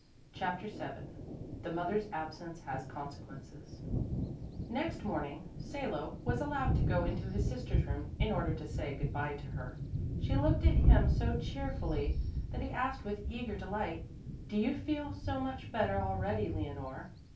CHAPTER VII THE MOTHER'S ABSENCE HAS CONSEQUENCES Next morning Salo was allowed to go into his sister's room in order to say good bye to her. She looked at him so cheerfully that he asked with eager delight, "Do you feel so much better already, Leonore?"